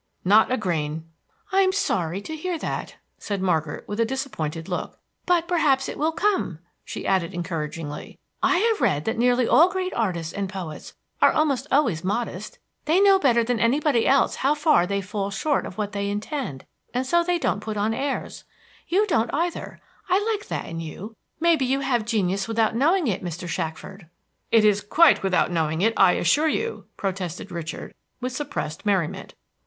"Not a grain." "I am sorry to hear that," said Margaret, with a disappointed look. "But perhaps it will come," she added encouragingly. "I have read that nearly all great artists and poets are almost always modest. They know better than anybody else how far they fall short of what they intend, and so they don't put on airs. You don't, either. I like that in you. May be you have genius without knowing it, Mr. Shackford." "It is quite without knowing it, I assure you!" protested Richard, with suppressed merriment.